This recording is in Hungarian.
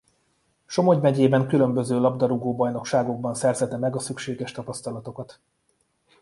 Somogy megyében különböző labdarúgó bajnokságokban szerzete meg a szükséges tapasztalatokat.